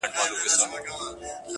چې سترګې کتونکي ته هم